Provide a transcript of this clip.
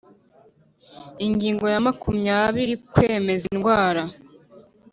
Ingingo ya makumyabiri Kwemeza indwara